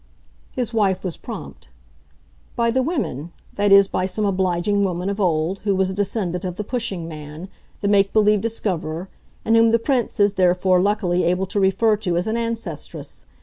His wife was prompt. "By the women that is by some obliging woman, of old, who was a descendant of the pushing man, the make believe discoverer, and whom the Prince is therefore luckily able to refer to as an ancestress.